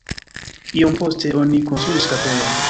Iom poste oni konstruis kapelon.